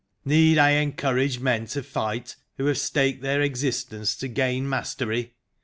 Need I encourage men to fight who have staked their existence to gain mastery?